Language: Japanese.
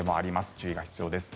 注意が必要です。